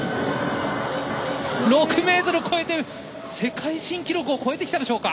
６メートルを超えて世界新記録を超えてきたでしょうか。